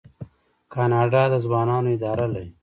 کاناډا د ځوانانو اداره لري.